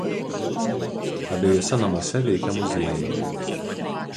Abejuose namuose veikia muziejai.